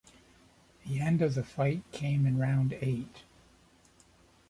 The end of the fight came in round eight.